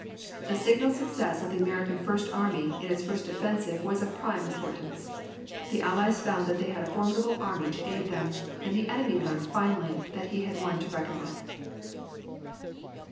This signal success of the American First Army in its first offensive was of prime importance. The Allies found they had a formidable army to aid them, and the enemy learned finally that he had one to reckon with.